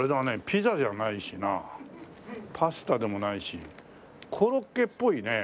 ピザじゃないしなパスタでもないしコロッケっぽいね。